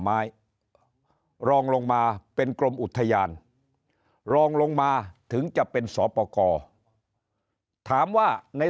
ไม้รองลงมาเป็นกรมอุทยานรองลงมาถึงจะเป็นสอปกรถามว่าใน